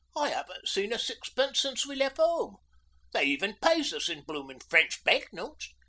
'I 'aven't seed a sixpence since we lef 'ome. They even pays us in bloomin' French bank notes.